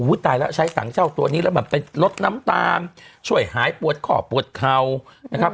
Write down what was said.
ตายแล้วใช้ถังเช่าตัวนี้แล้วแบบไปลดน้ำตาลช่วยหายปวดขอบปวดเข่านะครับ